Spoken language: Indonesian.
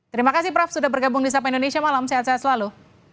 terima kasih prof sudah bergabung di sapa indonesia malam sehat sehat selalu